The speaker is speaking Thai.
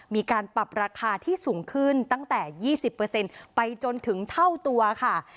มีการปรับราคาที่สูงขึ้นตั้งแต่๒๐ไปจนถึงเท่าตัวค่ะ